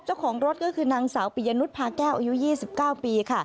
เจ้าของรถก็คือนางสาวปิยนุษยพาแก้วอายุ๒๙ปีค่ะ